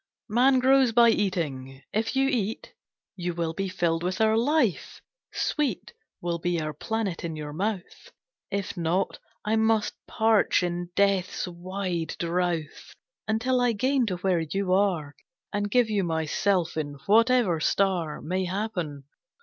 "Man grows by eating, if you eat You will be filled with our life, sweet Will be our planet in your mouth. If not, I must parch in death's wide drouth Until I gain to where you are, And give you myself in whatever star May happen.